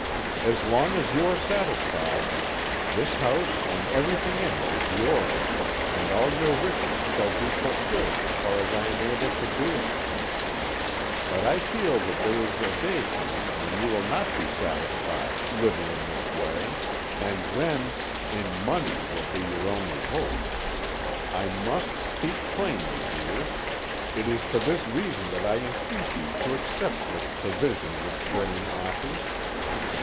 As long as you are satisfied, this house and everything in it is yours, and all your wishes shall be fulfilled so far as I am able to do it; but I feel that there is a day coming when you will not be satisfied, living in this way; and then in money will be your only hope. I must speak plainly, dear. It is for this reason that I entreat you to accept this provision which Braine offers.